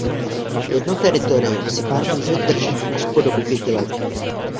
Jedno teritorium si pár může držet až po dobu pěti let.